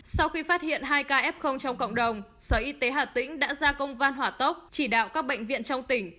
sau khi phát hiện hai ca f trong cộng đồng sở y tế hà tĩnh đã ra công văn hỏa tốc chỉ đạo các bệnh viện trong tỉnh